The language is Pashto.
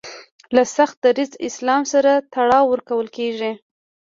له سخت دریځه اسلام سره تړاو ورکول کیږي